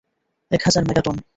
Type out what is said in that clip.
এক হাজার মেগাটন!